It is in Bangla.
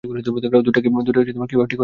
দুইটা কীভাবে ঠিক হতে পারে, আঙ্কেল?